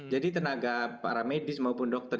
jadi tenaga para medis maupun dokter